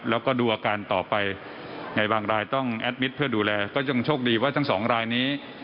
แล้วก็ดูอาการต่อไปในบางรายต้องแอดมิตรเพื่อดูแลก็ยังโชคดีว่าทั้งสองรายนี้